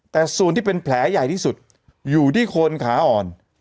แต่ส่วนที่เป็นแผลใหญ่ที่สุดอยู่ที่คนขาอ่อน